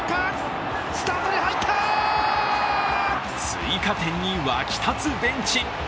追加点に沸き立つベンチ。